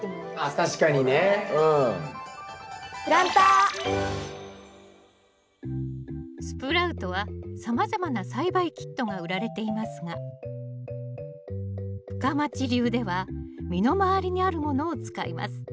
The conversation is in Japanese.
確かにねうん。スプラウトはさまざまな栽培キットが売られていますが深町流では身の回りにあるものを使います。